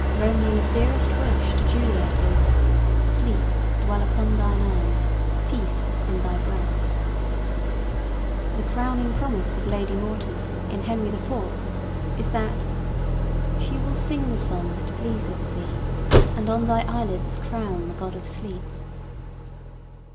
Romeo's dearest wish to Juliet is, "Sleep dwell upon thine eyes; peace in thy breast." The crowning promise of Lady Mortimer, in "Henry IV.," is that "She will sing the song that pleaseth thee, And on thy eyelids crown the god of sleep."